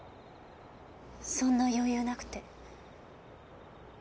そんな余裕なくて。